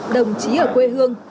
đồng chí ở quê hương